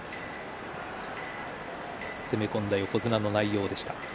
攻め込んだ横綱の内容でした。